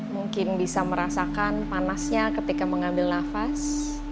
mungkin bisa merasakan panasnya ketika mengambil nafas